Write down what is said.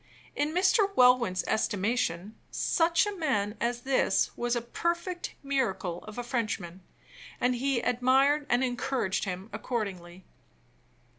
In Mr. Welwyn's estimation, such a man as this was a perfect miracle of a Frenchman, and he admired and encouraged him accordingly.